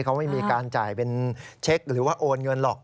เขาไม่มีการจ่ายเป็นเช็คหรือว่าโอนเงินหรอก